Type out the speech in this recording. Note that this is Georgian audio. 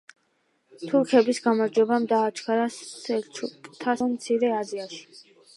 თურქების გამარჯვებამ დააჩქარა სელჩუკთა სახელმწიფოს ჩამოყალიბება მცირე აზიაში.